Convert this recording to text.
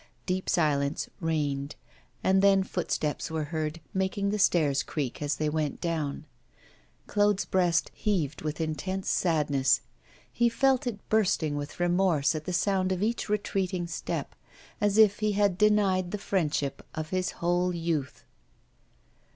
Deep silence reigned, and then footsteps were heard, making the stairs creak as they went down. Claude's breast heaved with intense sadness; he felt it bursting with remorse at the sound of each retreating step, as if he had denied the friendship of his whole youth.